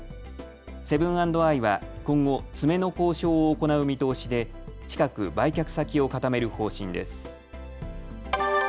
セブン＆アイは今後、詰めの交渉を行う見通しで近く売却先を固める方針です。